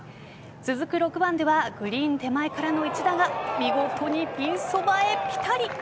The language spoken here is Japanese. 続く６番ではグリーン手前からの１打が見事にピンそばへピタリ。